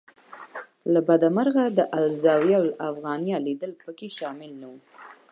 له بده مرغه د الزاویة الافغانیه لیدل په کې شامل نه و.